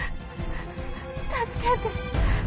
助けて。